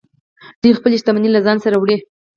دوی خپلې شتمنۍ له ځان سره وړلې